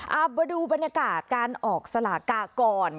เอามาดูบรรยากาศการออกสลากากร